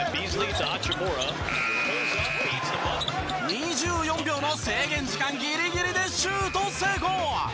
２４秒の制限時間ギリギリでシュート成功！